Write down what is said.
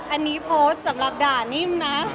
อันนี้โพสต์สำหรับด่านิ่มนะ